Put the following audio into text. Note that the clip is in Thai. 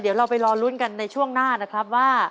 เดี๋ยวเราไปรอลุ้นกันในช่วงหน้านะครับว่า